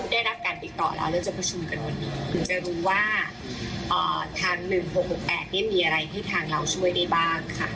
ได้รับการติดต่อแล้วเราจะประชุมกันวันนี้เราจะรู้ว่าอ่าทางหนึ่งหกหกแปดเนี้ยมีอะไรที่ทางเราช่วยได้บ้างค่ะ